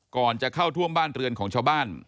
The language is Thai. ก่อนจะเข้าท่วมบ้านเรือนของชาวบ้าน